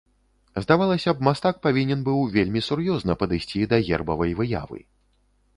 Здавалася б, мастак павінен быў вельмі сур'ёзна падысці да гербавай выявы.